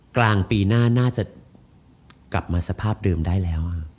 กลางปีหน้าน่าจะกลับมาสภาพเดิมได้แล้ว